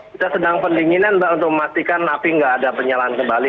kita sedang pendinginan untuk memastikan api tidak ada penyalaan kembali